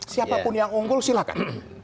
siapapun yang unggul silahkan